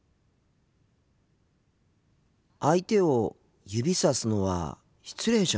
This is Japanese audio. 相手を指さすのは失礼じゃないんですか？